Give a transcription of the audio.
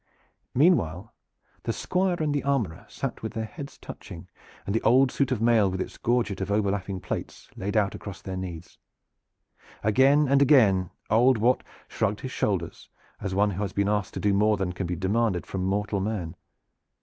Meanwhile the Squire and the armorer sat with their heads touching and the old suit of mail with its gorget of overlapping plates laid out across their knees. Again and again old Wat shrugged his shoulders, as one who has been asked to do more than can be demanded from mortal man.